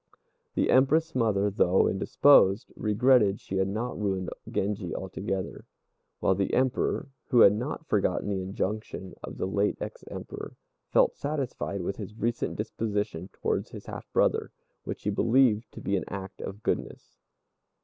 The Empress mother, though indisposed, regretted she had not ruined Genji altogether; while the Emperor, who had not forgotten the injunction of the late ex Emperor, felt satisfied with his recent disposition towards his half brother, which he believed to be an act of goodness.